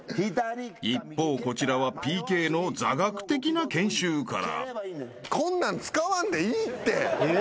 ［一方こちらはＰＫの座学的な研修から］